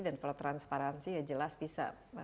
dan kalau transparansi ya jelas bisa